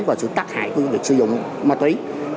và sự tác hại của việc sử dụng ma túy